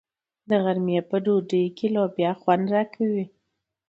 د غرمې په ډوډۍ کې لوبیا خوند راکوي.